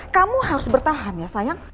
kamu harus bertahan ya sayang